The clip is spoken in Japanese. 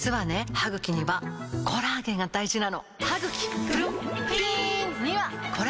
歯ぐきにはコラーゲンが大事なの！